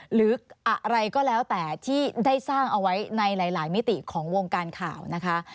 หรืออะไรก็แล้วแต่ที่ได้สร้างเอาไว้ในหลายมิติของวงการข่าวนะคะ